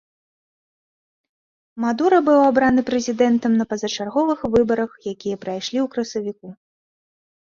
Мадура быў абраны прэзідэнтам на пазачарговых выбарах, якія прайшлі ў красавіку.